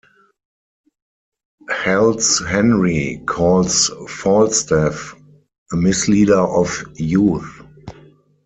Hal's Henry calls Falstaff a misleader of youth.